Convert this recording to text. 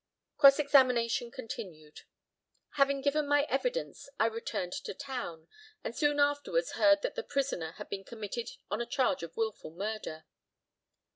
Cross examination continued: Having given my evidence I returned to town, and soon afterwards heard that the prisoner had been committed on a charge of wilful murder.